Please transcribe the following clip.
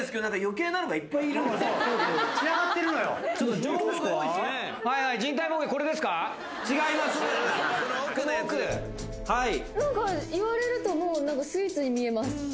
何か言われるともう何かスイーツに見えます。